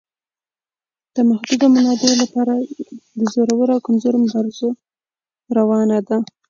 د محدودو منابعو لپاره د زورور او کمزوري مبارزه روانه ده.